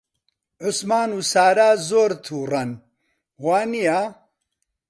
عوسمان و سارا زۆر تووڕەن، وانییە؟